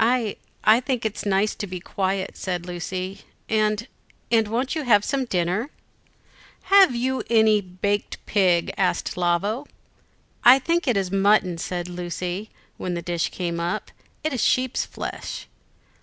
"I I think it nice to be quiet," said Lucy; "and and won't you have some dinner?" "Have you baked a pig?" asked Lavo. "I think this is mutton," said Lucy, when the dish came up, "it is sheep's flesh."